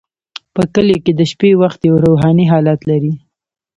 په کلیو کې د شپې وخت یو روحاني حالت لري.